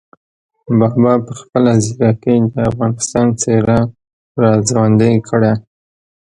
بابا په خپله ځیرکۍ د افغانستان څېره را ژوندۍ کړه.